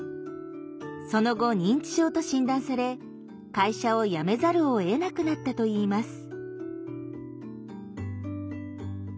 その後認知症と診断され会社を辞めざるをえなくなったといいます。